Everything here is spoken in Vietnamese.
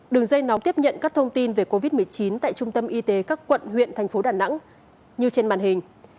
đường dây nóng tiếp nhận các thông tin về covid một mươi chín tại trung tâm y tế các quận huyện thành phố đà nẵng như trên màn hình